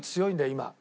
今。